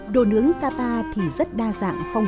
đồ nướng sapa thì rất đa dạng